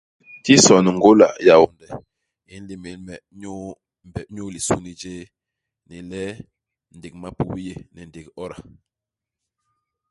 Tison i Ngôla i Yaônde i nlémél me inyu mbep inyu lisuni jéé ni le ndék i mapubi i yé, ni ndék oda.